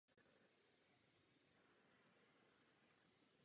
Díky mandátu vidíme otázku Kurdů v novém světle.